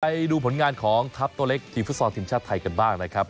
ไปดูผลงานของทัพตัวเล็กทีมฟุตซอลทีมชาติไทยกันบ้างนะครับ